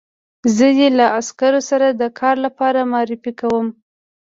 زه دې له عسکرو سره د کار لپاره معرفي کوم